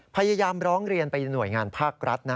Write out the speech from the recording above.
พยายามร้องเรียนไปหน่วยงานภาครัฐ